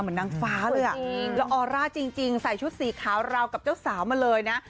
นางฟ้าเลยอ่ะแล้วออร่าจริงใส่ชุดสีขาวราวกับเจ้าสาวมาเลยนะ